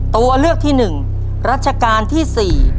ตัวเลือกที่หนึ่งรัชกาลที่สี่